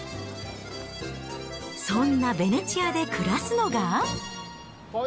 そんなヴェネツィアで暮らすのが。